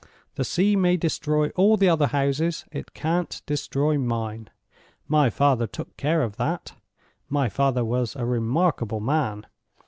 The sea may destroy all the other houses—it can't destroy Mine. My father took care of that; my father was a remarkable man.